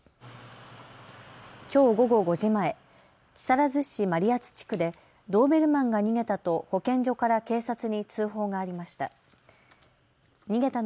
きょう午後５時前、木更津市真里谷地区でドーベルマンが逃げたと保健所から警察に通報がありました。